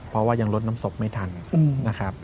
เพราะว่ายังลดน้ำศพไม่ทันนะครับ